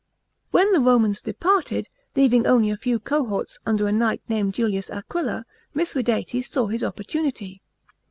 When the Romans departed, leaving only a few cohorts under a knight named Julius Aqnila, Mithradates saw his op portunity.